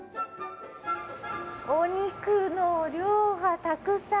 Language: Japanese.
お肉の量がたくさん。